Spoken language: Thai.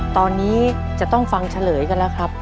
ตอนนี้จะต้องฟังเฉลยกันแล้วครับ